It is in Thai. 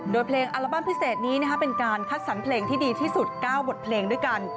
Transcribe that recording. โดยเพลงอัลบั้มพิเศษนี้เป็นการคัดสรรเพลงที่ดีที่สุด๙บทเพลงด้วยกัน